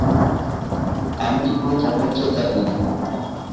আমি কোনো সমস্যা চাই না।